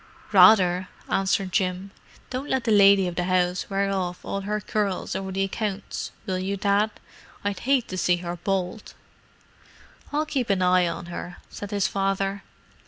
"Rather," answered Jim. "Don't let the lady of the house wear off all her curls over the accounts, will you, Dad? I'd hate to see her bald!" "I'll keep an eye on her," said his father.